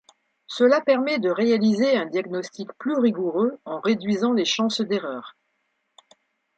Cela permet de réaliser un diagnostic plus rigoureux en réduisant les chances d'erreur.